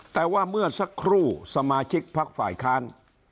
แต่ว่าเมื่อสักครู่สมาชิกพักฝ่ายค้าน